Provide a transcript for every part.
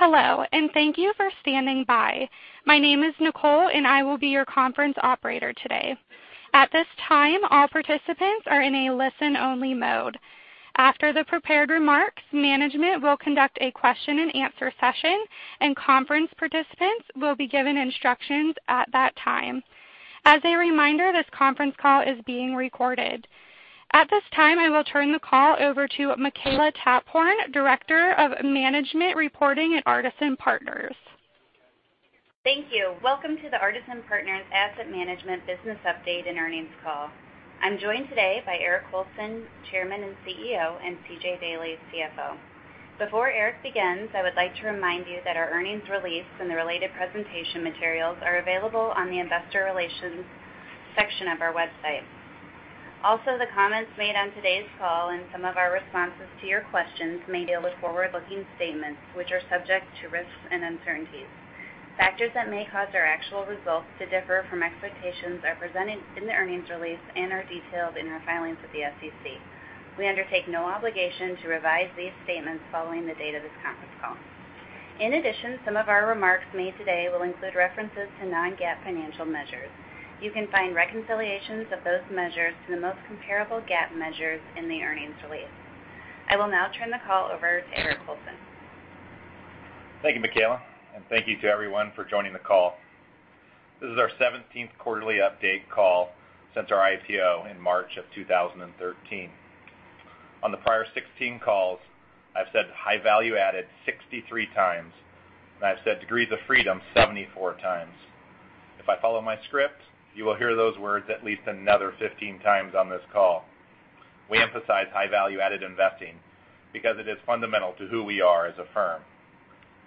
Hello, and thank you for standing by. My name is Nicole and I will be your conference operator today. At this time, all participants are in a listen only mode. After the prepared remarks, management will conduct a question and answer session, and conference participants will be given instructions at that time. As a reminder, this conference call is being recorded. At this time, I will turn the call over to Makela Taphorn, Director of Management Reporting at Artisan Partners. Thank you. Welcome to the Artisan Partners Asset Management business update and earnings call. I am joined today by Eric Colson, Chairman and CEO, and C.J. Daley, CFO. Before Eric begins, I would like to remind you that our earnings release and the related presentation materials are available on the investor relations section of our website. Also, the comments made on today's call and some of our responses to your questions may deal with forward-looking statements which are subject to risks and uncertainties. Factors that may cause our actual results to differ from expectations are presented in the earnings release and are detailed in our filings with the SEC. We undertake no obligation to revise these statements following the date of this conference call. In addition, some of our remarks made today will include references to non-GAAP financial measures. You can find reconciliations of those measures to the most comparable GAAP measures in the earnings release. I will now turn the call over to Eric Colson. Thank you, Makela, and thank you to everyone for joining the call. This is our 17th quarterly update call since our IPO in March of 2013. On the prior 16 calls, I have said high value added 63 times, and I have said degrees of freedom 74 times. If I follow my script, you will hear those words at least another 15 times on this call. We emphasize high value added investing because it is fundamental to who we are as a firm.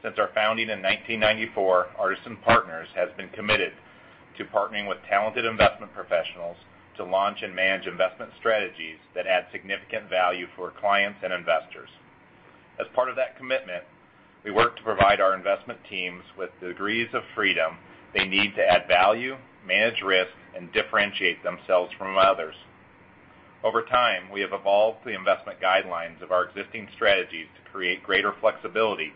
Since our founding in 1994, Artisan Partners has been committed to partnering with talented investment professionals to launch and manage investment strategies that add significant value for clients and investors. As part of that commitment, we work to provide our investment teams with the degrees of freedom they need to add value, manage risk, and differentiate themselves from others. Over time, we have evolved the investment guidelines of our existing strategies to create greater flexibility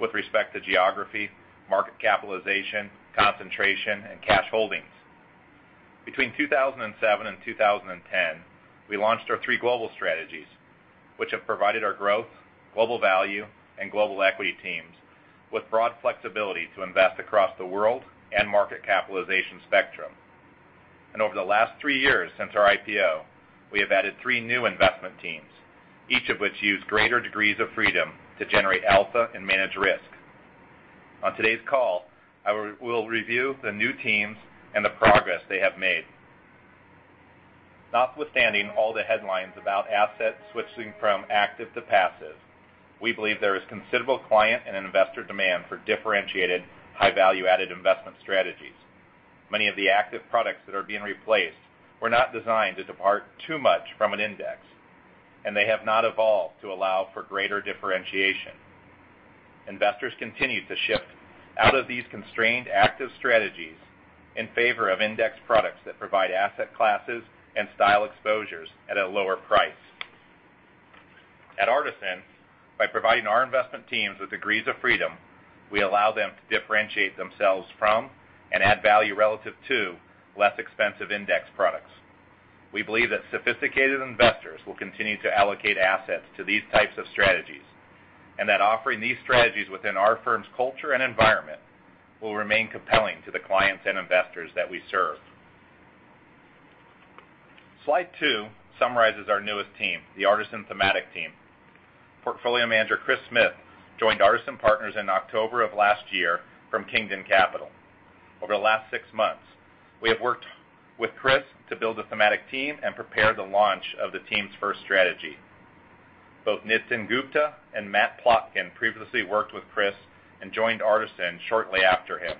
with respect to geography, market capitalization, concentration, and cash holdings. Between 2007 and 2010, we launched our three global strategies, which have provided our growth, global value, and Global Equity teams with broad flexibility to invest across the world and market capitalization spectrum. Over the last three years since our IPO, we have added three new investment teams, each of which use greater degrees of freedom to generate alpha and manage risk. On today's call, I will review the new teams and the progress they have made. Notwithstanding all the headlines about assets switching from active to passive, we believe there is considerable client and investor demand for differentiated high value added investment strategies. Many of the active products that are being replaced were not designed to depart too much from an index, and they have not evolved to allow for greater differentiation. Investors continue to shift out of these constrained active strategies in favor of index products that provide asset classes and style exposures at a lower price. At Artisan, by providing our investment teams with degrees of freedom, we allow them to differentiate themselves from and add value relative to less expensive index products. We believe that sophisticated investors will continue to allocate assets to these types of strategies, and that offering these strategies within our firm's culture and environment will remain compelling to the clients and investors that we serve. Slide two summarizes our newest team, the Artisan Thematic Team. Portfolio Manager Chris Smith joined Artisan Partners in October of last year from Kingdon Capital. Over the last six months, we have worked with Chris to build a Thematic Team and prepare the launch of the team's first strategy. Both Nitin Gupta and Matt Plotkin previously worked with Chris and joined Artisan shortly after him.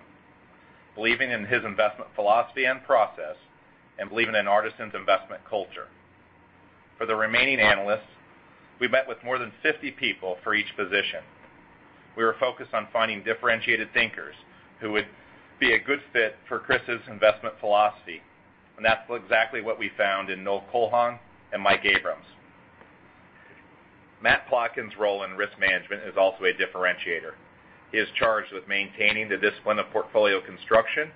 Believing in his investment philosophy and process, and believing in Artisan's investment culture. For the remaining analysts, we met with more than 50 people for each position. We were focused on finding differentiated thinkers who would be a good fit for Chris' investment philosophy, and that's exactly what we found in Noel Culhane and Mike Abrams. Matt Plotkin's role in risk management is also a differentiator. He is charged with maintaining the discipline of portfolio construction,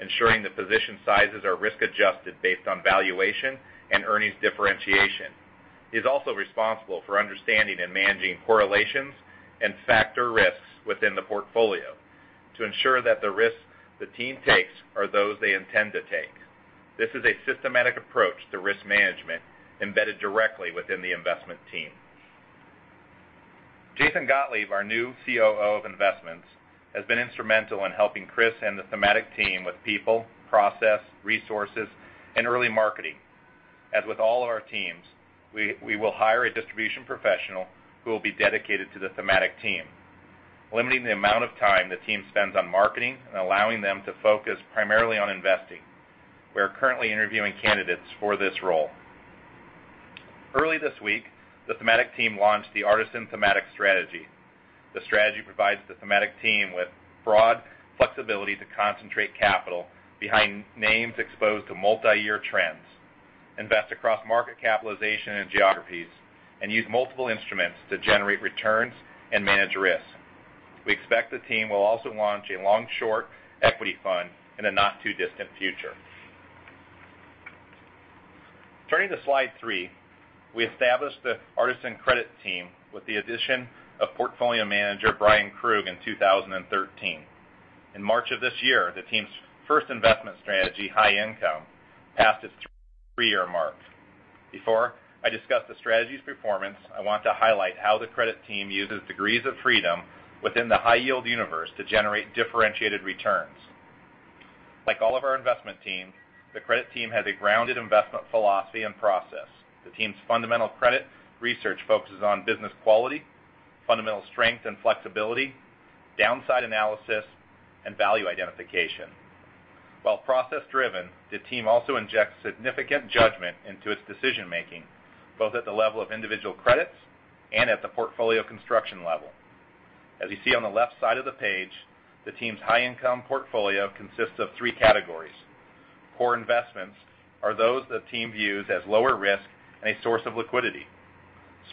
ensuring the position sizes are risk adjusted based on valuation and earnings differentiation. He's also responsible for understanding and managing correlations and factor risks within the portfolio to ensure that the risks the team takes are those they intend to take. This is a systematic approach to risk management embedded directly within the investment team. Jason Gottlieb, our new COO of Investments, has been instrumental in helping Chris and the Thematic Team with people, process, resources, and early marketing. As with all of our teams, we will hire a distribution professional who will be dedicated to the Thematic Team, limiting the amount of time the team spends on marketing and allowing them to focus primarily on investing. We are currently interviewing candidates for this role. Early this week, the Thematic Team launched the Artisan Thematic Strategy. The strategy provides the thematic team with broad flexibility to concentrate capital behind names exposed to multi-year trends. Invest across market capitalization and geographies, and use multiple instruments to generate returns and manage risk. We expect the team will also launch a long-short equity fund in a not too distant future. Turning to slide three, we established the Artisan credit team with the addition of Portfolio Manager Bryan Krug in 2013. In March of this year, the team's first investment strategy, High Income, passed its three-year mark. Before I discuss the Strategy's performance, I want to highlight how the credit team uses degrees of freedom within the high yield universe to generate differentiated returns. Like all of our investment teams, the credit team has a grounded investment philosophy and process. The team's fundamental credit research focuses on business quality, fundamental strength and flexibility, downside analysis, and value identification. While process driven, the team also injects significant judgment into its decision making, both at the level of individual credits and at the portfolio construction level. As you see on the left side of the page, the team's High Income portfolio consists of three categories. Core investments are those the team views as lower risk and a source of liquidity.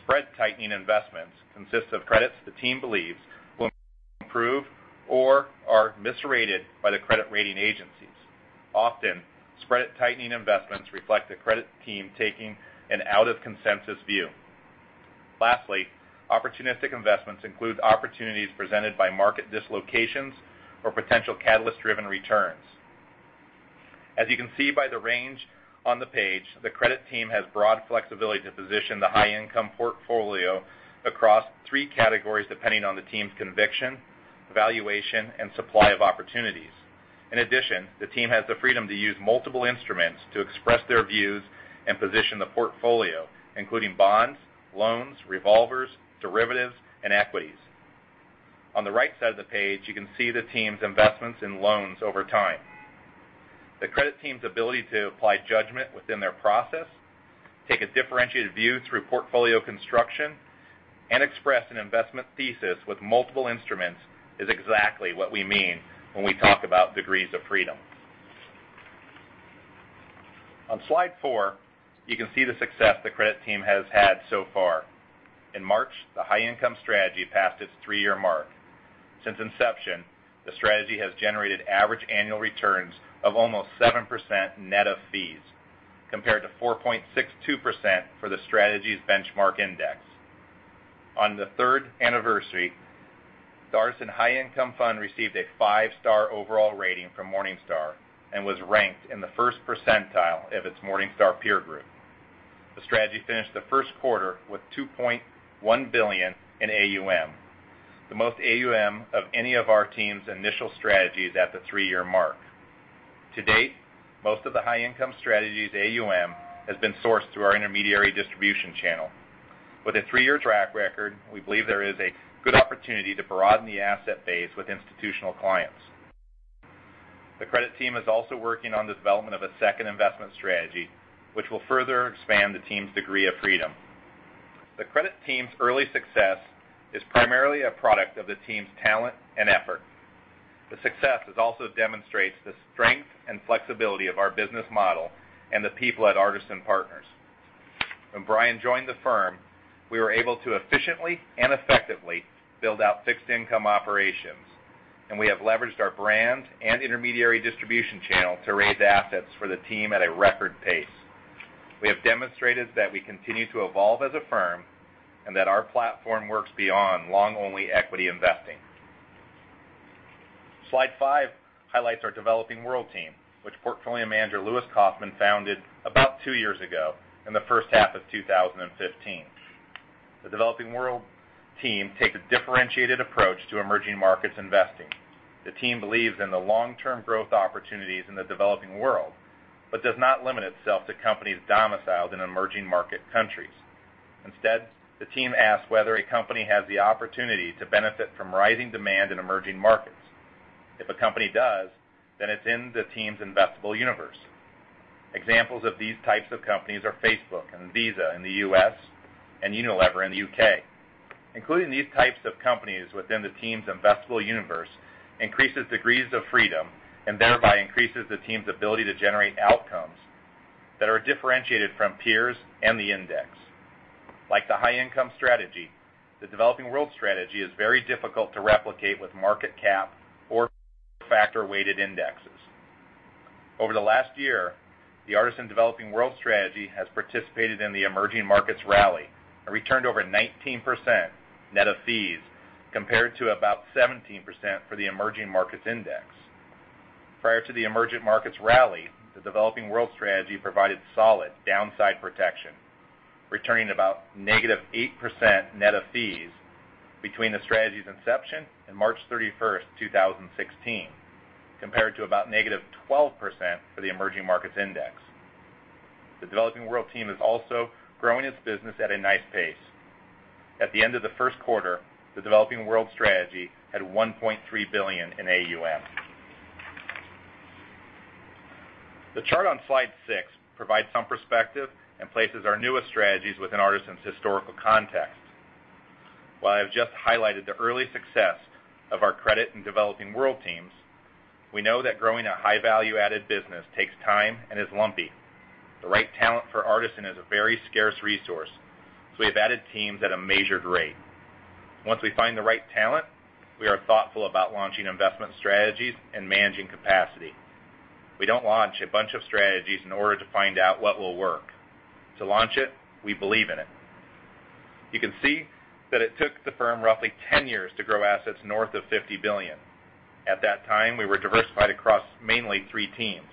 Spread tightening investments consists of credits the team believes will improve or are misrated by the credit rating agencies. Often, spread tightening investments reflect the credit team taking an out of consensus view. Lastly, opportunistic investments include opportunities presented by market dislocations or potential catalyst driven returns. As you can see by the range on the page, the credit team has broad flexibility to position the High Income portfolio across three categories, depending on the team's conviction, valuation, and supply of opportunities. In addition, the team has the freedom to use multiple instruments to express their views and position the portfolio, including bonds, loans, revolvers, derivatives, and equities. On the right side of the page, you can see the team's investments in loans over time. The credit team's ability to apply judgment within their process, take a differentiated view through portfolio construction, and express an investment thesis with multiple instruments is exactly what we mean when we talk about degrees of freedom. On slide four, you can see the success the credit team has had so far. In March, the High Income Strategy passed its three-year mark. Since inception, the Strategy has generated average annual returns of almost 7% net of fees, compared to 4.62% for the Strategy's benchmark index. On the third anniversary, the Artisan High Income Fund received a five-star overall rating from Morningstar and was ranked in the first percentile of its Morningstar peer group. The Strategy finished the first quarter with $2.1 billion in AUM, the most AUM of any of our team's initial strategies at the three-year mark. To date, most of the High Income Strategy's AUM has been sourced through our intermediary distribution channel. With a three-year track record, we believe there is a good opportunity to broaden the asset base with institutional clients. The credit team is also working on the development of a second investment strategy, which will further expand the team's degree of freedom. The credit team's early success is primarily a product of the team's talent and effort. The success also demonstrates the strength and flexibility of our business model and the people at Artisan Partners. When Bryan Krug joined the firm, we were able to efficiently and effectively build out fixed income operations, and we have leveraged our brand and intermediary distribution channel to raise assets for the team at a record pace. We have demonstrated that we continue to evolve as a firm and that our platform works beyond long-only equity investing. Slide five highlights our Developing World Team, which Portfolio Manager Lewis Kaufman founded about two years ago in the first half of 2015. The Developing World Team takes a differentiated approach to emerging markets investing. The team believes in the long-term growth opportunities in the developing world, but does not limit itself to companies domiciled in emerging market countries. Instead, the team asks whether a company has the opportunity to benefit from rising demand in emerging markets. If a company does, then it's in the team's investable universe. Examples of these types of companies are Facebook and Visa in the U.S., and Unilever in the U.K. Including these types of companies within the team's investable universe increases degrees of freedom and thereby increases the team's ability to generate outcomes that are differentiated from peers and the index. Like the High Income Strategy, the Developing World Strategy is very difficult to replicate with market cap or factor-weighted indexes. Over the last year, the Artisan Developing World Strategy has participated in the emerging markets rally and returned over 19% net of fees, compared to about 17% for the emerging markets index. Prior to the emerging markets rally, the Developing World Strategy provided solid downside protection, returning about -8% net of fees between the strategy's inception and March 31, 2016, compared to about -12% for the emerging markets index. The Developing World Team is also growing its business at a nice pace. At the end of the first quarter, the Developing World Strategy had $1.3 billion in AUM. The chart on Slide six provides some perspective and places our newest strategies within Artisan's historical context. While I have just highlighted the early success of our credit and developing world teams, we know that growing a high value-added business takes time and is lumpy. The right talent for Artisan is a very scarce resource. We have added teams at a measured rate. Once we find the right talent, we are thoughtful about launching investment strategies and managing capacity. We don't launch a bunch of strategies in order to find out what will work. To launch it, we believe in it. You can see that it took the firm roughly 10 years to grow assets north of $50 billion. At that time, we were diversified across mainly three teams.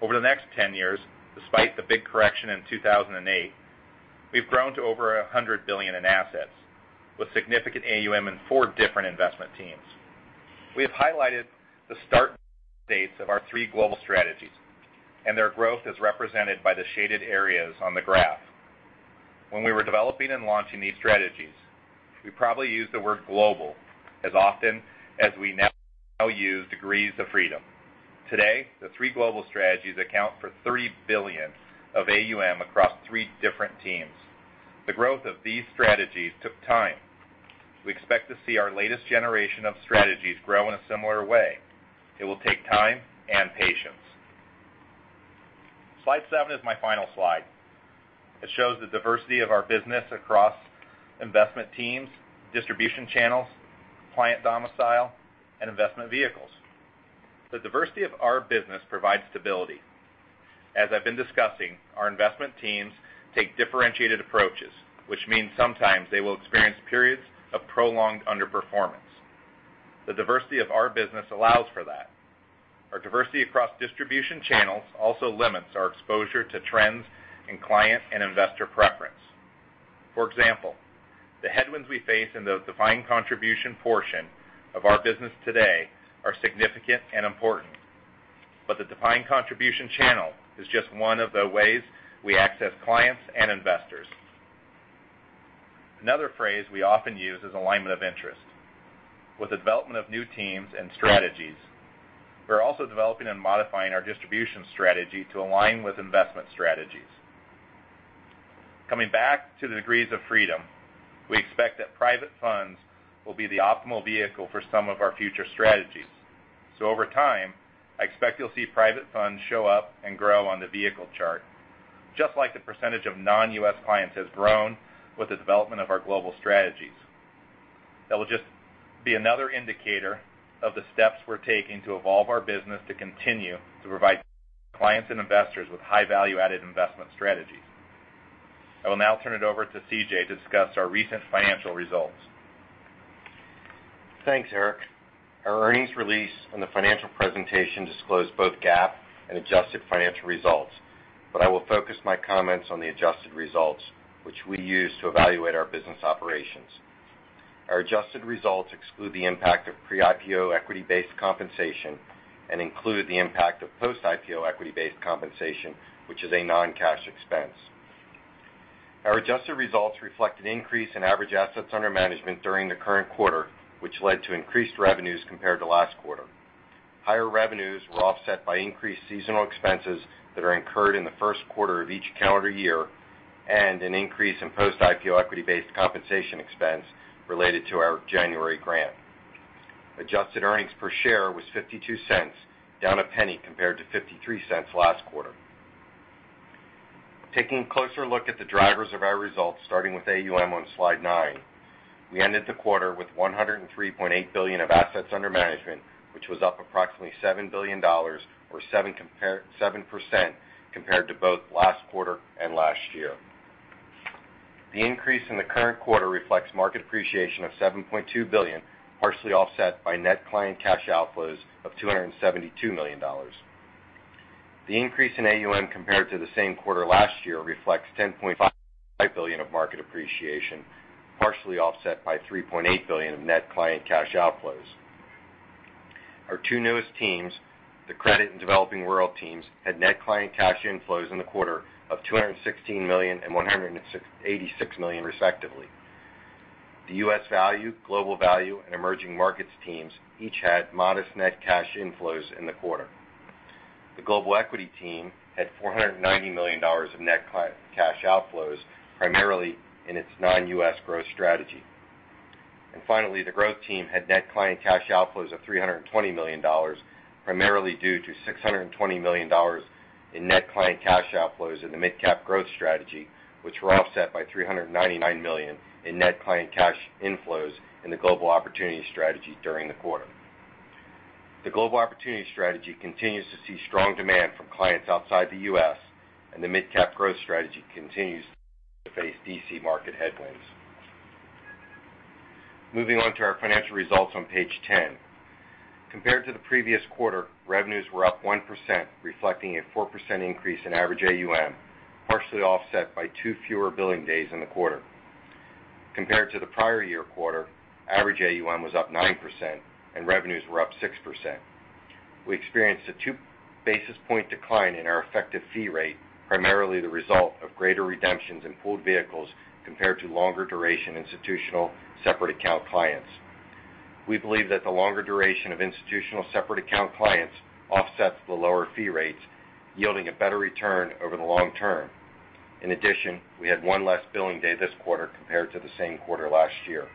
Over the next 10 years, despite the big correction in 2008, we've grown to over $100 billion in assets, with significant AUM in four different investment teams. We have highlighted the start dates of our three global strategies, and their growth is represented by the shaded areas on the graph. When we were developing and launching these strategies, we probably used the word global as often as we now use degrees of freedom. Today, the three global strategies account for $30 billion of AUM across three different teams. The growth of these strategies took time. We expect to see our latest generation of strategies grow in a similar way. It will take time and patience. Slide seven is my final slide. It shows the diversity of our business across investment teams, distribution channels, client domicile, and investment vehicles. The diversity of our business provides stability. As I've been discussing, our investment teams take differentiated approaches, which means sometimes they will experience periods of prolonged underperformance. The diversity of our business allows for that. Our diversity across distribution channels also limits our exposure to trends in client and investor preference. For example, the headwinds we face in the defined contribution portion of our business today are significant and important. The defined contribution channel is just one of the ways we access clients and investors. Another phrase we often use is alignment of interest. With the development of new teams and strategies, we're also developing and modifying our distribution strategy to align with investment strategies. Coming back to the degrees of freedom, we expect that private funds will be the optimal vehicle for some of our future strategies. Over time, I expect you'll see private funds show up and grow on the vehicle chart, just like the percentage of non-U.S. clients has grown with the development of our global strategies. That will just be another indicator of the steps we're taking to evolve our business to continue to provide clients and investors with high value-added investment strategies. I will now turn it over to C.J. to discuss our recent financial results. Thanks, Eric. Our earnings release and the financial presentation disclose both GAAP and adjusted financial results. I will focus my comments on the adjusted results, which we use to evaluate our business operations. Our adjusted results exclude the impact of pre-IPO equity-based compensation and include the impact of post-IPO equity-based compensation, which is a non-cash expense. Our adjusted results reflect an increase in average assets under management during the current quarter, which led to increased revenues compared to last quarter. Higher revenues were offset by increased seasonal expenses that are incurred in the first quarter of each calendar year, and an increase in post-IPO equity-based compensation expense related to our January grant. Adjusted earnings per share was $0.52, down $0.01 compared to $0.53 last quarter. Taking a closer look at the drivers of our results, starting with AUM on slide nine. We ended the quarter with $103.8 billion of assets under management, which was up approximately $7 billion or 7% compared to both last quarter and last year. The increase in the current quarter reflects market appreciation of $7.2 billion, partially offset by net client cash outflows of $272 million. The increase in AUM compared to the same quarter last year reflects $10.5 billion of market appreciation, partially offset by $3.8 billion of net client cash outflows. Our two newest teams, the credit and developing world teams, had net client cash inflows in the quarter of $216 million and $186 million respectively. The U.S. value, Global Value, and emerging markets teams each had modest net cash inflows in the quarter. The Global Equity team had $490 million of net cash outflows, primarily in its Non-U.S. Growth Strategy. Finally, the growth team had net client cash outflows of $320 million, primarily due to $620 million in net client cash outflows in the Mid-Cap Growth Strategy, which were offset by $399 million in net client cash inflows in the Global Opportunities Strategy during the quarter. The Global Opportunities Strategy continues to see strong demand from clients outside the U.S., and the Mid-Cap Growth Strategy continues to face D.C. market headwinds. Moving on to our financial results on page 10. Compared to the previous quarter, revenues were up 1%, reflecting a 4% increase in average AUM, partially offset by two fewer billing days in the quarter. Compared to the prior year quarter, average AUM was up 9% and revenues were up 6%. We experienced a two-basis-point decline in our effective fee rate, primarily the result of greater redemptions in pooled vehicles compared to longer duration institutional separate account clients. We believe that the longer duration of institutional separate account clients offsets the lower fee rates, yielding a better return over the long term. In addition, we had one less billing day this quarter compared to the same quarter last year.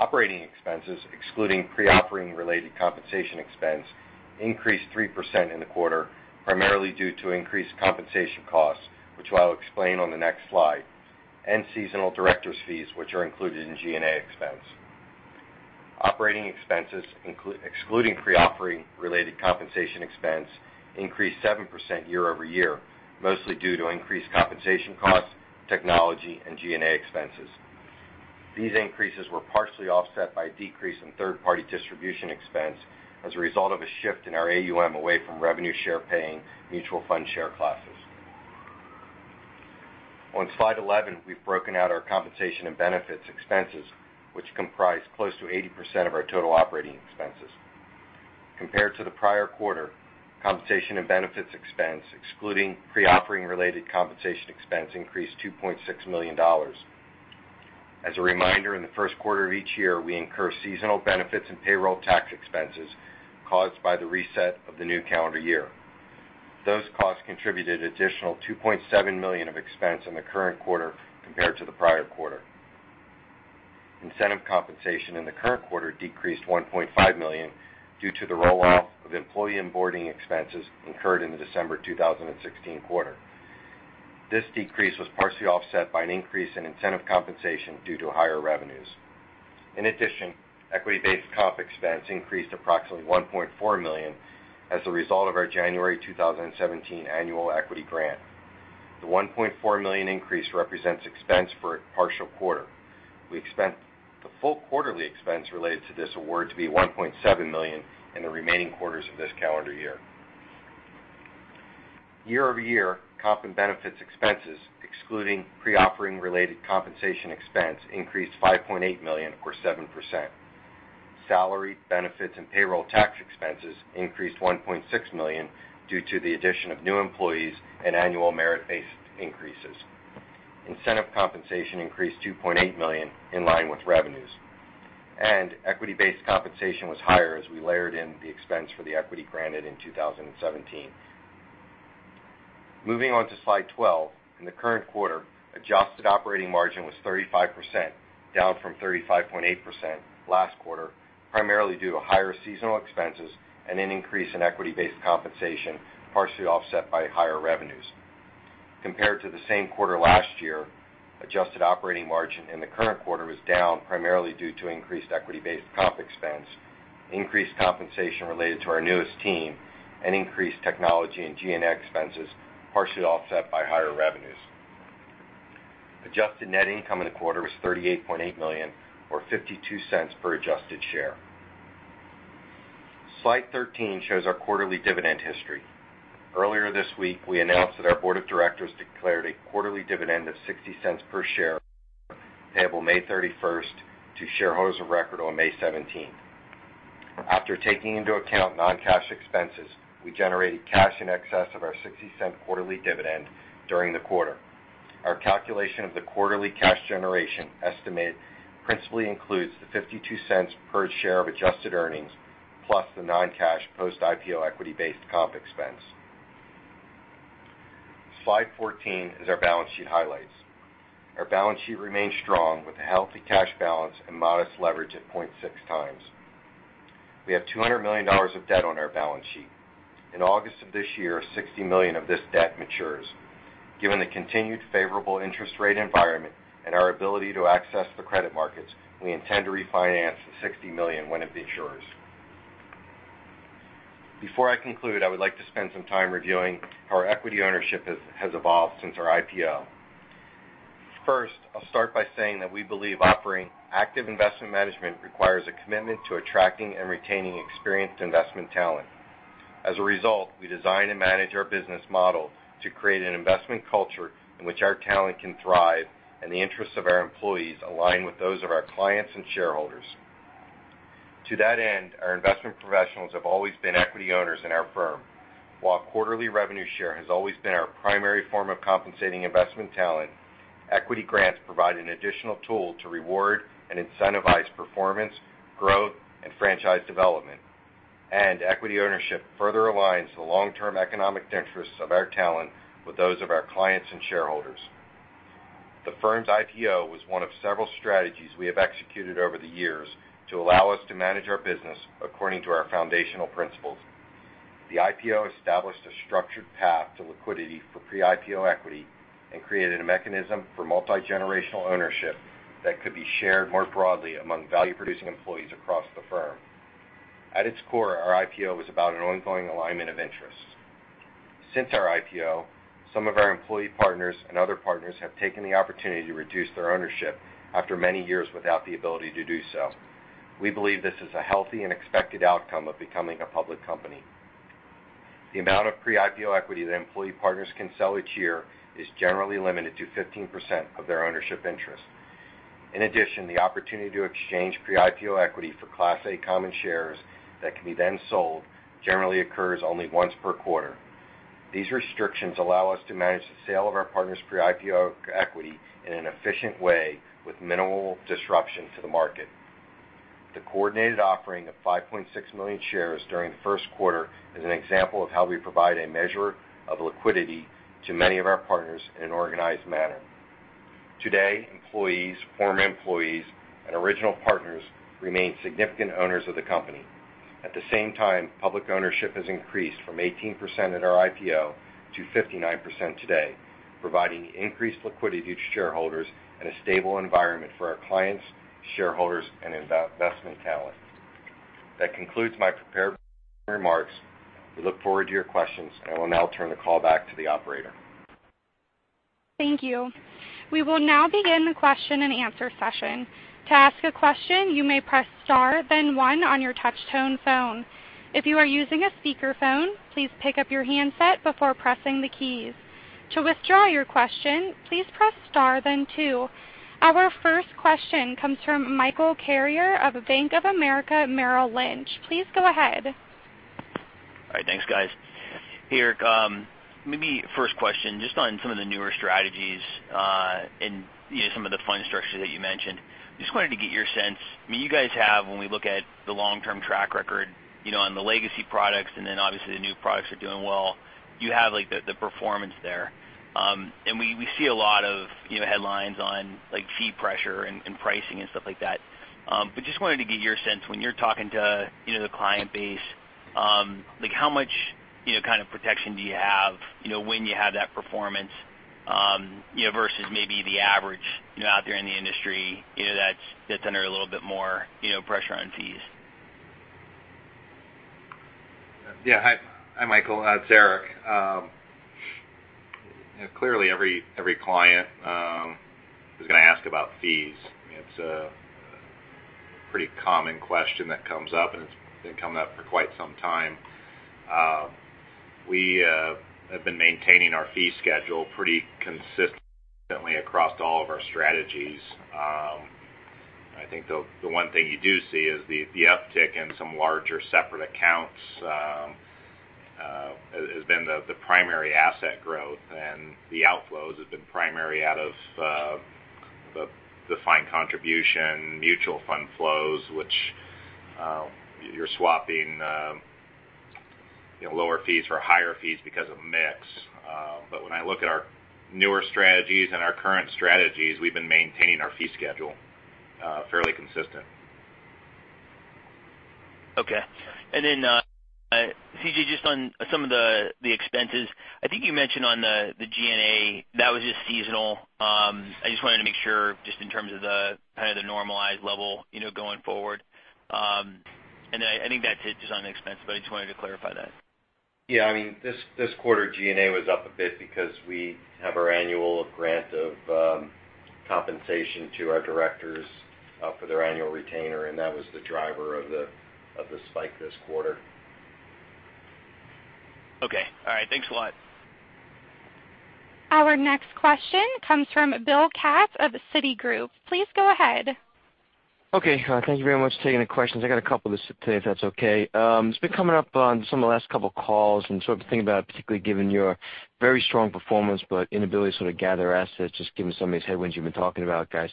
Operating expenses, excluding pre-offering related compensation expense, increased 3% in the quarter, primarily due to increased compensation costs, which I'll explain on the next slide, and seasonal directors' fees, which are included in G&A expense. Operating expenses, excluding pre-offering related compensation expense, increased 7% year-over-year, mostly due to increased compensation costs, technology and G&A expenses. These increases were partially offset by a decrease in third-party distribution expense as a result of a shift in our AUM away from revenue share paying mutual fund share classes. On slide 11, we've broken out our compensation and benefits expenses, which comprise close to 80% of our total operating expenses. Compared to the prior quarter, compensation and benefits expense, excluding pre-offering related compensation expense, increased $2.6 million. As a reminder, in the first quarter of each year, we incur seasonal benefits and payroll tax expenses caused by the reset of the new calendar year. Those costs contributed additional $2.7 million of expense in the current quarter compared to the prior quarter. Incentive compensation in the current quarter decreased $1.5 million due to the rollout of employee onboarding expenses incurred in the December 2016 quarter. This decrease was partially offset by an increase in incentive compensation due to higher revenues. In addition, equity-based comp expense increased approximately $1.4 million as a result of our January 2017 annual equity grant. The $1.4 million increase represents expense for a partial quarter. We expect the full quarterly expense related to this award to be $1.7 million in the remaining quarters of this calendar year. Year-over-year, comp and benefits expenses, excluding pre-offering related compensation expense, increased $5.8 million or 7%. Salary benefits and payroll tax expenses increased $1.6 million due to the addition of new employees and annual merit-based increases. Incentive compensation increased $2.8 million in line with revenues. Equity-based compensation was higher as we layered in the expense for the equity granted in 2017. Moving on to slide 12. In the current quarter, adjusted operating margin was 35%, down from 35.8% last quarter, primarily due to higher seasonal expenses and an increase in equity-based compensation, partially offset by higher revenues. Compared to the same quarter last year, adjusted operating margin in the current quarter was down primarily due to increased equity-based comp expense, increased compensation related to our newest team, and increased technology and G&A expenses, partially offset by higher revenues. Adjusted net income in the quarter was $38.8 million, or $0.52 per adjusted share. Slide 13 shows our quarterly dividend history. Earlier this week, we announced that our board of directors declared a quarterly dividend of $0.60 per share, payable May 31st to shareholders of record on May 17th. After taking into account non-cash expenses, we generated cash in excess of our $0.60 quarterly dividend during the quarter. Our calculation of the quarterly cash generation estimate principally includes the $0.52 per share of adjusted earnings, plus the non-cash post-IPO equity-based comp expense. Slide 14 is our balance sheet highlights. Our balance sheet remains strong with a healthy cash balance and modest leverage at 0.6 times. We have $200 million of debt on our balance sheet. In August of this year, $60 million of this debt matures. Given the continued favorable interest rate environment and our ability to access the credit markets, we intend to refinance the $60 million when it matures. Before I conclude, I would like to spend some time reviewing how our equity ownership has evolved since our IPO. First, I'll start by saying that we believe operating active investment management requires a commitment to attracting and retaining experienced investment talent. As a result, we design and manage our business model to create an investment culture in which our talent can thrive and the interests of our employees align with those of our clients and shareholders. To that end, our investment professionals have always been equity owners in our firm. While quarterly revenue share has always been our primary form of compensating investment talent, equity grants provide an additional tool to reward and incentivize performance, growth, and franchise development. Equity ownership further aligns the long-term economic interests of our talent with those of our clients and shareholders. The firm's IPO was one of several strategies we have executed over the years to allow us to manage our business according to our foundational principles. The IPO established a structured path to liquidity for pre-IPO equity and created a mechanism for multi-generational ownership that could be shared more broadly among value-producing employees across the firm. At its core, our IPO was about an ongoing alignment of interests. Since our IPO, some of our employee partners and other partners have taken the opportunity to reduce their ownership after many years without the ability to do so. We believe this is a healthy and expected outcome of becoming a public company. The amount of pre-IPO equity that employee partners can sell each year is generally limited to 15% of their ownership interest. In addition, the opportunity to exchange pre-IPO equity for Class A common shares that can be then sold generally occurs only once per quarter. These restrictions allow us to manage the sale of our partners' pre-IPO equity in an efficient way with minimal disruption to the market. The coordinated offering of 5.6 million shares during the first quarter is an example of how we provide a measure of liquidity to many of our partners in an organized manner. Today, employees, former employees, and original partners remain significant owners of the company. At the same time, public ownership has increased from 18% at our IPO to 59% today, providing increased liquidity to shareholders and a stable environment for our clients, shareholders, and investment talent. That concludes my prepared remarks. We look forward to your questions, I will now turn the call back to the operator. Thank you. We will now begin the question and answer session. To ask a question, you may press star then one on your touch-tone phone. If you are using a speakerphone, please pick up your handset before pressing the keys. To withdraw your question, please press star then two. Our first question comes from Michael Carrier of Bank of America Merrill Lynch. Please go ahead. All right. Thanks, guys. Hey, Eric. Maybe first question, just on some of the newer strategies, and some of the fund structure that you mentioned. Just wanted to get your sense. You guys have, when we look at the long-term track record on the legacy products. Then obviously, the new products are doing well, you have the performance there. We see a lot of headlines on fee pressure and pricing and stuff like that. Just wanted to get your sense when you're talking to the client base, how much kind of protection do you have when you have that performance, versus maybe the average out there in the industry that's under a little bit more pressure on fees? Yeah. Hi, Michael. It's Eric. Clearly every client is going to ask about fees. It's a pretty common question that comes up, and it's been coming up for quite some time. We have been maintaining our fee schedule pretty consistently across all of our strategies. I think the one thing you do see is the uptick in some larger separate accounts has been the primary asset growth. The outflows have been primary out of the defined contribution mutual fund flows, which you're swapping lower fees for higher fees because of mix. When I look at our newer strategies and our current strategies, we've been maintaining our fee schedule fairly consistent. Okay. Then, CJ, just on some of the expenses. I think you mentioned on the G&A, that was just seasonal. I just wanted to make sure, just in terms of the kind of the normalized level going forward. Then I think that's it just on expenses, but I just wanted to clarify that. Yeah. This quarter G&A was up a bit because we have our annual grant of compensation to our directors for their annual retainer, and that was the driver of the spike this quarter. Okay. All right. Thanks a lot. Our next question comes from William Katz of Citigroup. Please go ahead. Okay. Thank you very much for taking the questions. I got a couple today, if that's okay. It's been coming up on some of the last couple of calls and sort of thinking about it, particularly given your very strong performance, but inability to sort of gather assets, just given some of these headwinds you've been talking about, guys.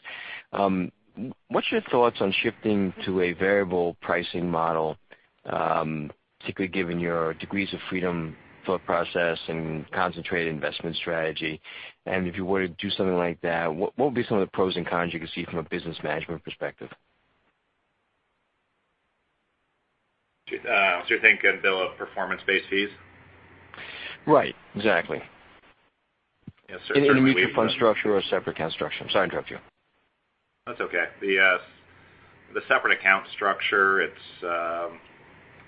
What's your thoughts on shifting to a variable pricing model, particularly given your degrees of freedom thought process and concentrated investment strategy? If you were to do something like that, what would be some of the pros and cons you could see from a business management perspective? You're thinking, Bill, of performance-based fees? Right. Exactly. Yes, I believe. In a mutual fund structure or separate account structure? I'm sorry to interrupt you. That's okay. The separate account structure,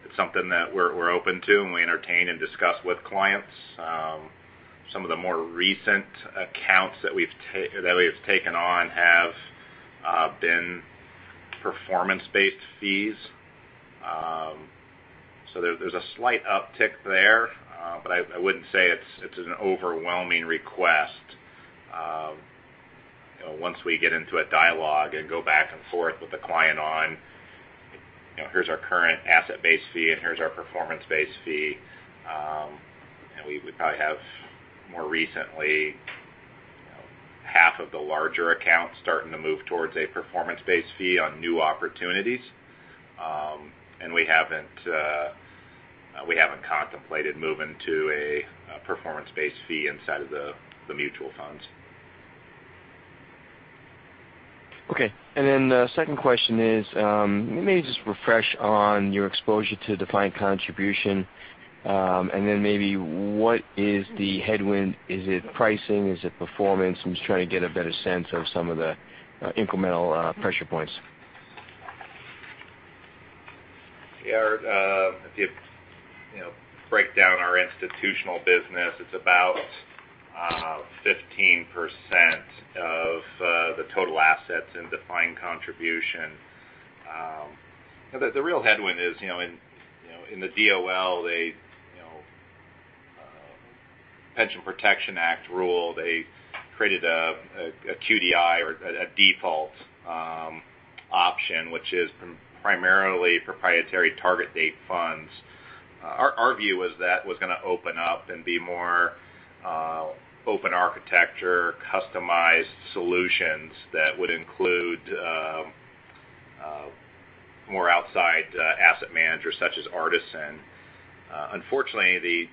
it's something that we're open to, and we entertain and discuss with clients. Some of the more recent accounts that we've taken on have been performance-based fees. There's a slight uptick there. I wouldn't say it's an overwhelming request. Once we get into a dialogue and go back and forth with the client on, here's our current asset-based fee, and here's our performance-based fee. We probably have more recently half of the larger accounts starting to move towards a performance-based fee on new opportunities. We haven't contemplated moving to a performance-based fee inside of the mutual funds. Okay. The second question is, let me just refresh on your exposure to defined contribution. Maybe what is the headwind? Is it pricing? Is it performance? I'm just trying to get a better sense of some of the incremental pressure points. Yeah. If you break down our institutional business, it's about 15% of the total assets in defined contribution. The real headwind is in the DOL. They Pension Protection Act rule, they created a QDIA or a default option, which is primarily proprietary target date funds. Our view was that was going to open up and be more open architecture, customized solutions that would include more outside asset managers such as Artisan. Unfortunately,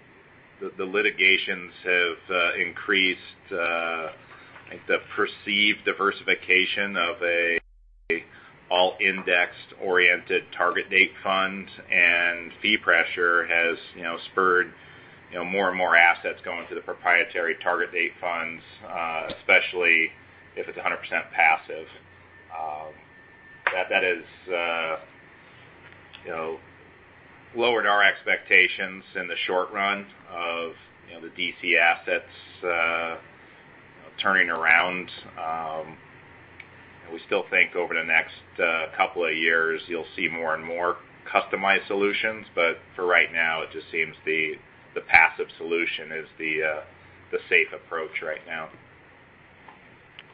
the litigations have increased the perceived diversification of a all-indexed-oriented target date fund, and fee pressure has spurred more and more assets going to the proprietary target date funds, especially if it's 100% passive. That has lowered our expectations in the short run of the DC assets turning around. We still think over the next couple of years, you'll see more and more customized solutions. For right now, it just seems the passive solution is the safe approach right now.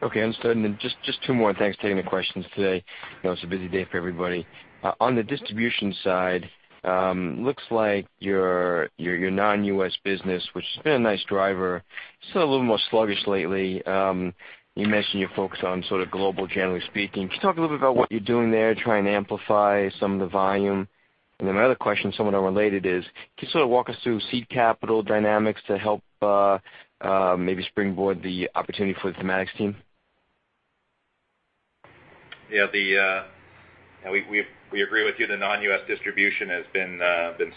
Okay, understood. Just two more. Thanks for taking the questions today. I know it's a busy day for everybody. On the distribution side, looks like your non-U.S. business, which has been a nice driver, still a little more sluggish lately. You mentioned you focus on sort of global, generally speaking. Can you talk a little bit about what you're doing there, trying to amplify some of the volume? My other question, somewhat unrelated is, can you sort of walk us through seed capital dynamics to help maybe springboard the opportunity for the Thematic Team? Yeah. We agree with you. The non-U.S. distribution has been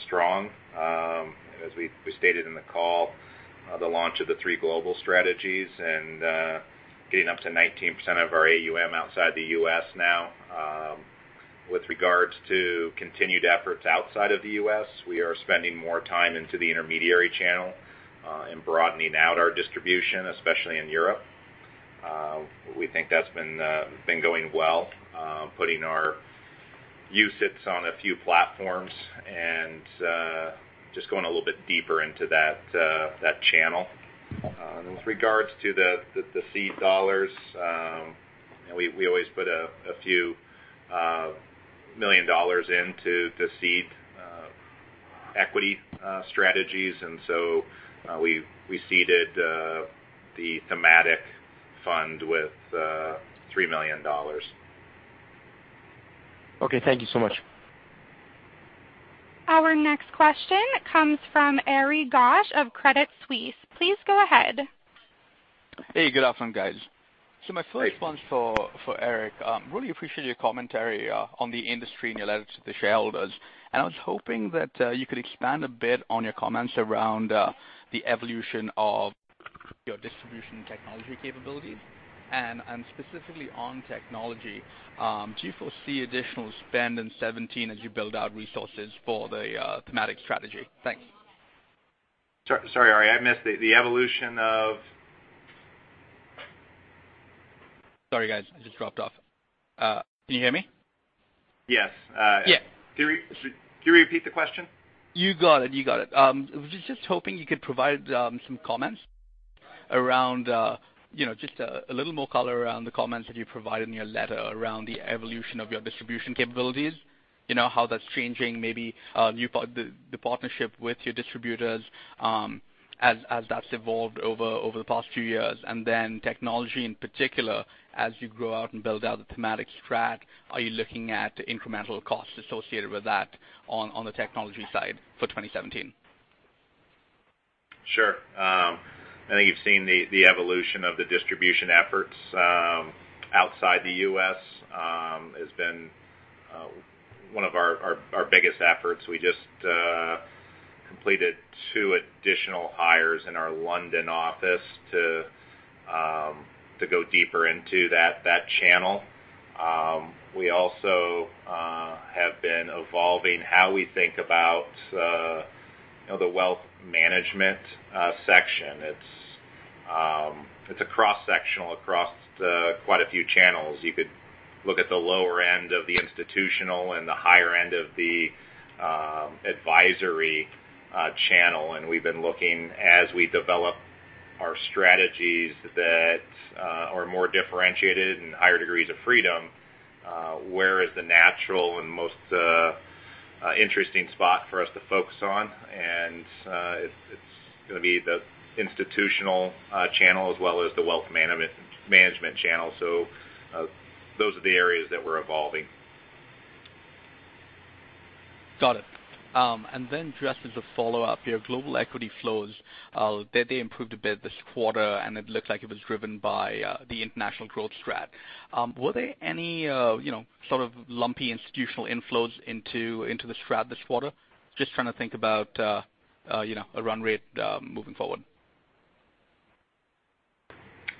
strong. As we stated in the call, the launch of the three global strategies and getting up to 19% of our AUM outside the U.S. now. With regards to continued efforts outside of the U.S., we are spending more time into the intermediary channel and broadening out our distribution, especially in Europe. We think that's been going well. Putting our UCITS on a few platforms and just going a little bit deeper into that channel. With regards to the seed dollars, we always put a few million dollars into the seed equity strategies. We seeded the Thematic Fund with $3 million. Okay. Thank you so much. Our next question comes from Craig Siegenthaler of Credit Suisse. Please go ahead. Hey, good afternoon, guys. Hi. My first one's for Eric. Really appreciate your commentary on the industry in your letter to the shareholders. I was hoping that you could expand a bit on your comments around the evolution of your distribution technology capabilities. Specifically on technology, do you foresee additional spend in 2017 as you build out resources for the Thematic Strategy? Thanks. Sorry, Ari, I missed the evolution of Sorry, guys, I just dropped off. Can you hear me? Yes. Yeah. Can you repeat the question? You got it. I was just hoping you could provide some comments around, just a little more color around the comments that you provided in your letter around the evolution of your distribution capabilities. How that's changing maybe the partnership with your distributors as that's evolved over the past few years. Technology in particular, as you grow out and build out the thematic strat, are you looking at incremental costs associated with that on the technology side for 2017? Sure. I think you've seen the evolution of the distribution efforts outside the U.S. has been one of our biggest efforts. We just completed two additional hires in our London office to go deeper into that channel. We also have been evolving how we think about the wealth management section. It's a cross-sectional across quite a few channels. You could look at the lower end of the institutional and the higher end of the advisory channel, and we've been looking as we develop our strategies that are more differentiated and higher degrees of freedom, where is the natural and most interesting spot for us to focus on? It's going to be the institutional channel as well as the wealth management channel. Those are the areas that we're evolving. Got it. Just as a follow-up here, global equity flows, they improved a bit this quarter, and it looked like it was driven by the International Growth strat. Were there any sort of lumpy institutional inflows into the strat this quarter? Just trying to think about a run rate moving forward.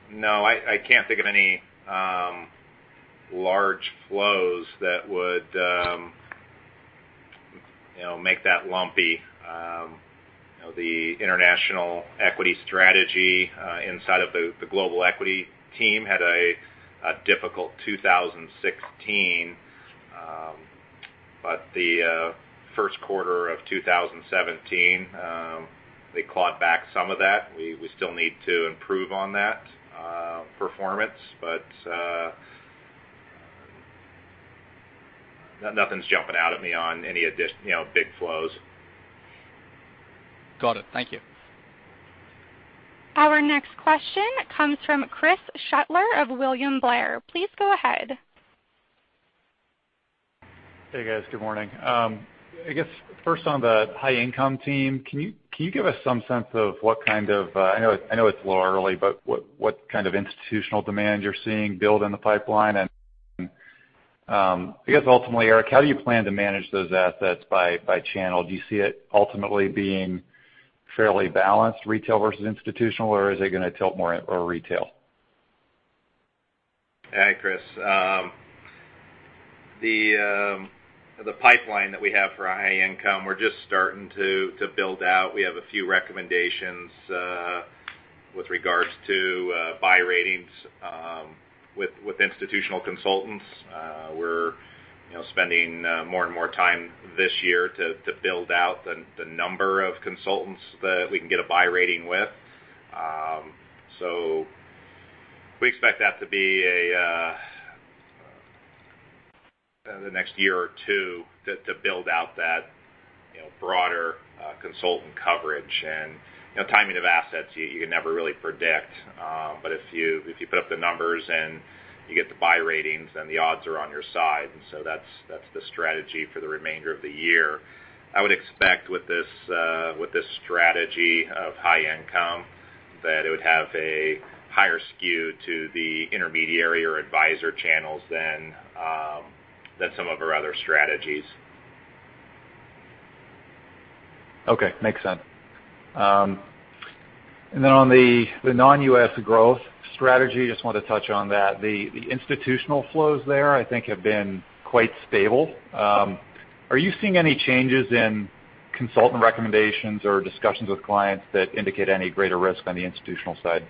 No, I can't think of any large flows that would make that lumpy. The international equity strategy inside of the global equity team had a difficult 2016. The first quarter of 2017, they clawed back some of that. We still need to improve on that performance. Nothing's jumping out at me on any big flows. Got it. Thank you. Our next question comes from Chris Shutler of William Blair. Please go ahead. Hey, guys. Good morning. I guess first on the high-income team, can you give us some sense of I know it's a little early, but what kind of institutional demand you're seeing build in the pipeline? I guess ultimately, Eric, how do you plan to manage those assets by channel? Do you see it ultimately being fairly balanced retail versus institutional, or is it going to tilt more or retail? Hi, Chris. The pipeline that we have for our High Income, we're just starting to build out. We have a few recommendations with regards to buy ratings with institutional consultants. We're spending more and more time this year to build out the number of consultants that we can get a buy rating with. We expect that to be the next year or two to build out that broader consultant coverage. Timing of assets, you can never really predict. If you put up the numbers and you get the buy ratings, then the odds are on your side. That's the strategy for the remainder of the year. I would expect with this strategy of High Income that it would have a higher skew to the intermediary or advisor channels than some of our other strategies. Okay. Makes sense. On the Non-U.S. Growth Strategy, just wanted to touch on that. The institutional flows there, I think, have been quite stable. Are you seeing any changes in consultant recommendations or discussions with clients that indicate any greater risk on the institutional side?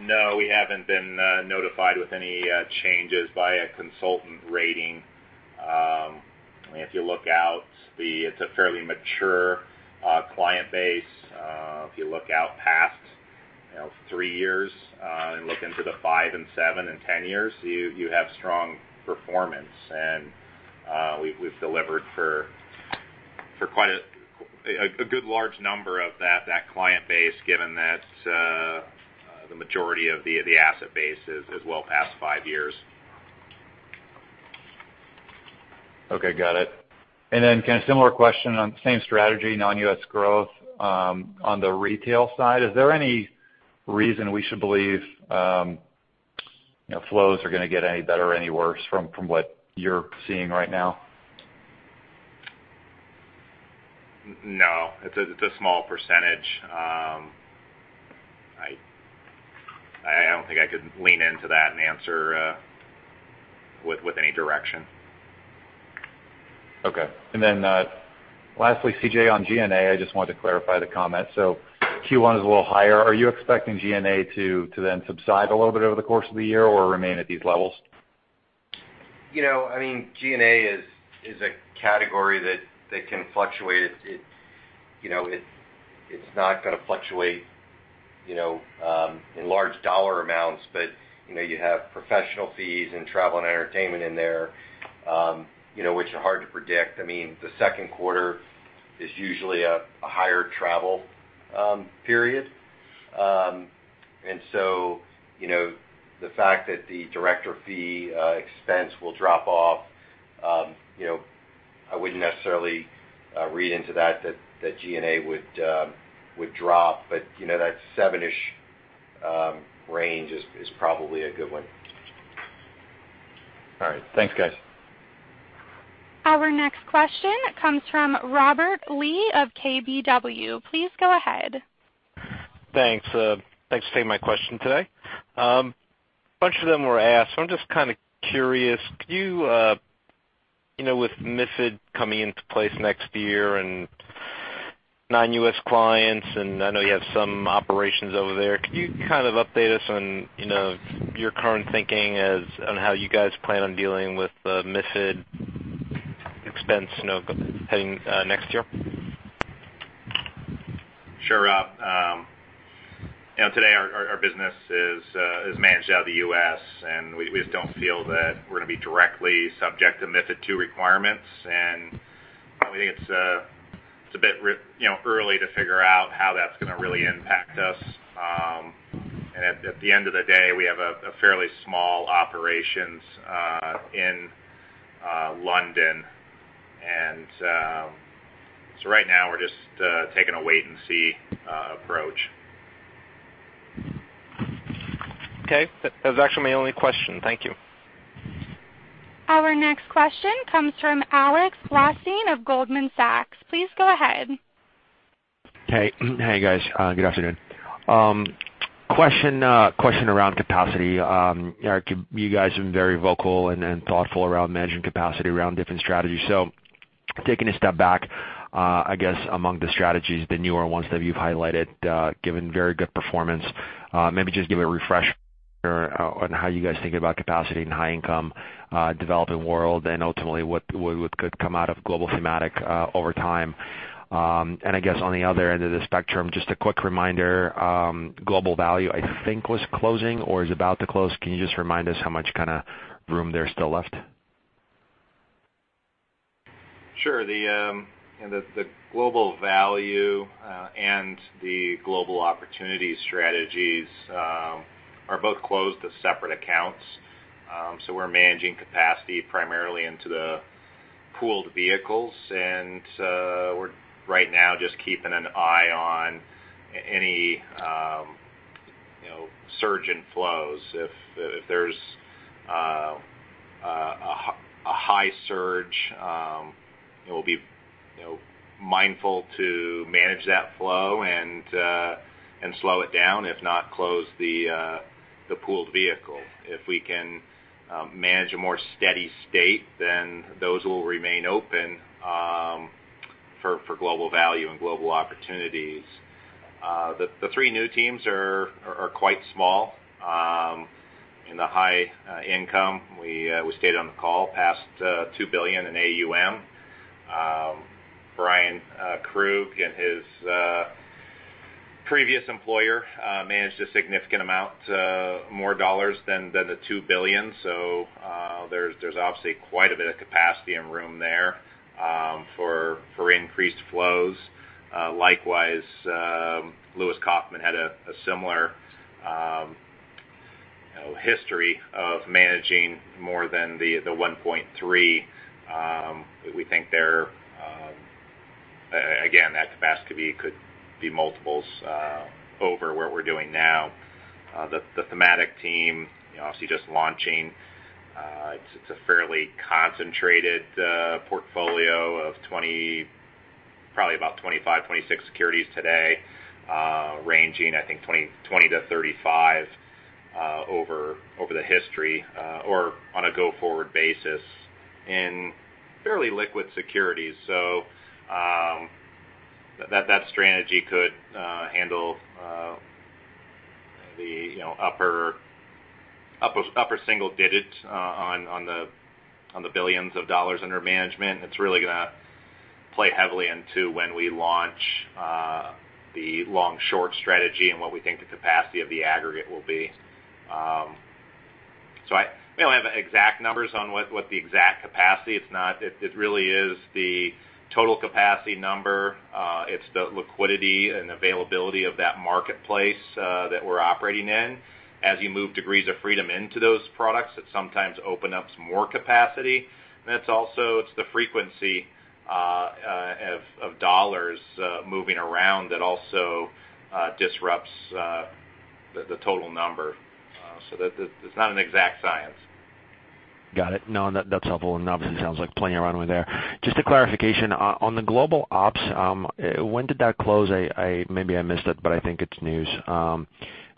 No, we haven't been notified with any changes by a consultant rating. If you look out, it's a fairly mature client base. If you look out past three years and look into the five and seven and 10 years, you have strong performance. We've delivered for a good large number of that client base, given that the majority of the asset base is well past five years. Okay, got it. Kind of similar question on the same strategy, Non-U.S. Growth. On the retail side, is there any reason we should believe flows are going to get any better or any worse from what you're seeing right now? No. It's a small percentage. I don't think I could lean into that and answer with any direction. Okay. Lastly, C.J., on G&A, I just wanted to clarify the comment. Q1 is a little higher. Are you expecting G&A to then subside a little bit over the course of the year or remain at these levels? G&A is a category that can fluctuate. It's not going to fluctuate in large dollar amounts. You have professional fees and travel and entertainment in there, which are hard to predict. The second quarter is usually a higher travel period. The fact that the director fee expense will drop off, I wouldn't necessarily read into that G&A would drop. That seven-ish range is probably a good one. All right. Thanks, guys. Our next question comes from Robert Lee of KBW. Please go ahead. Thanks for taking my question today. A bunch of them were asked. I'm just kind of curious, with MiFID coming into place next year and non-U.S. clients, and I know you have some operations over there, can you kind of update us on your current thinking on how you guys plan on dealing with the MiFID expense heading next year? Sure, Rob. Today our business is managed out of the U.S., we just don't feel that we're going to be directly subject to MiFID II requirements. We think it's a bit early to figure out how that's going to really impact us. At the end of the day, we have a fairly small operations in London. Right now we're just taking a wait-and-see approach. Okay. That was actually my only question. Thank you. Our next question comes from Alexander Blostein of Goldman Sachs. Please go ahead. Hey. Hey, guys. Good afternoon. Question around capacity. Eric, you guys have been very vocal and thoughtful around managing capacity around different strategies. Taking a step back, I guess among the strategies, the newer ones that you've highlighted, given very good performance. Maybe just give a refresher on how you guys think about capacity and High Income Developing World, and ultimately what could come out of Global Thematic over time. I guess on the other end of the spectrum, just a quick reminder, Global Value, I think was closing or is about to close. Can you just remind us how much room there's still left? Sure. The Global Value and the Global Opportunity strategies are both closed to separate accounts. We're managing capacity primarily into the pooled vehicles, and we're right now just keeping an eye on any surge in flows. If there's a high surge, we'll be mindful to manage that flow and slow it down, if not close the pooled vehicle. If we can manage a more steady state, then those will remain open for Global Value and Global Opportunities. The three new teams are quite small. In the High Income, we stayed on the call, passed $2 billion in AUM. Bryan Krug and his previous employer managed a significant amount, more dollars than the $2 billion. There's obviously quite a bit of capacity and room there for increased flows. Likewise, Lewis Kaufman had a similar history of managing more than the $1.3 billion. We think there, again, that capacity could be multiples over where we're doing now. The Thematic Team, obviously just launching. It's a fairly concentrated portfolio of probably about 25, 26 securities today, ranging, I think, 20 to 35 over the history, or on a go-forward basis in fairly liquid securities. That strategy could handle the upper single digits on the billions of dollars under management. It's really going to play heavily into when we launch the long-short strategy and what we think the capacity of the aggregate will be. I don't have exact numbers on what the exact capacity. It really is the total capacity number. It's the liquidity and availability of that marketplace that we're operating in. As you move degrees of freedom into those products, it sometimes open up some more capacity. It's also the frequency of dollars moving around that also disrupts the total number. It's not an exact science. Got it. No, that's helpful enough. It sounds like plenty of runway there. Just a clarification. On the Global Ops, when did that close? Maybe I missed it, but I think it's news.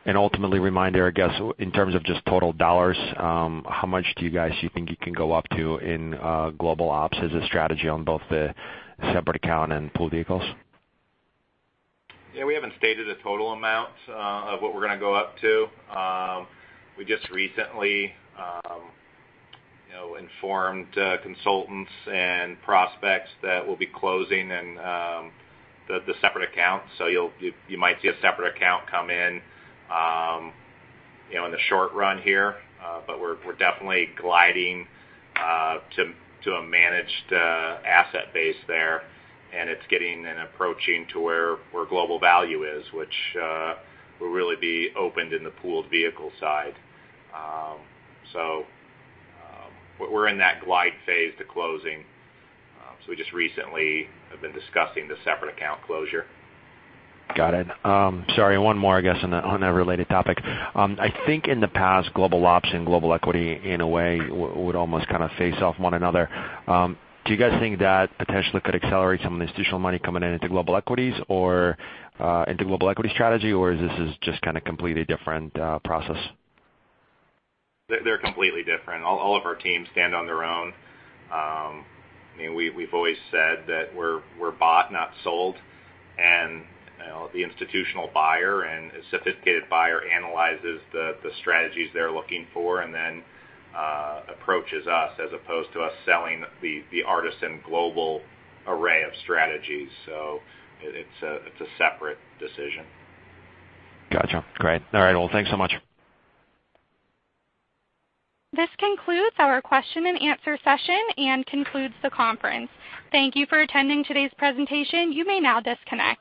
Ultimately, reminder, I guess, in terms of just total dollars, how much do you guys think you can go up to in Global Ops as a strategy on both the separate account and pooled vehicles? Yeah, we haven't stated a total amount of what we're going to go up to. We just recently informed consultants and prospects that we'll be closing the separate accounts. You might see a separate account come in the short run here. We're definitely gliding to a managed asset base there, and it's getting and approaching to where Global Value is, which will really be opened in the pooled vehicle side. We're in that glide phase to closing. We just recently have been discussing the separate account closure. Got it. Sorry, one more, I guess, on a related topic. I think in the past, Global Ops and Global Equity in a way would almost face off one another. Do you guys think that potentially could accelerate some of the institutional money coming in into Global Equity or into Global Equity Strategy, or is this is just completely different process? They're completely different. All of our teams stand on their own. We've always said that we're bought, not sold. The institutional buyer and sophisticated buyer analyzes the strategies they're looking for and then approaches us as opposed to us selling the Artisan global array of strategies. It's a separate decision. Got you. Great. All right. Well, thanks so much. This concludes our question and answer session and concludes the conference. Thank you for attending today's presentation. You may now disconnect.